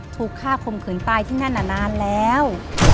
ถูกฆ่าโครงเผินตายที่หน้านานแล้ว